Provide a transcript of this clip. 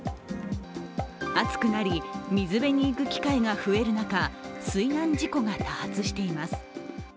暑くなり、水辺に行く機会が増える中、水難事故が多発しています。